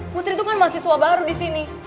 putri tuh kan mahasiswa baru disini